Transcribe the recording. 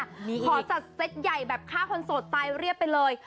ขอจัดเซตใหญ่แบบฆ่าคนโสดตายเรียบไปเลย